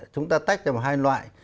chúng ta tách thành hai loại